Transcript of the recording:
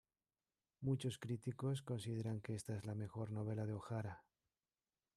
Muchos críticos consideran que esta es la mejor novela de O'Hara.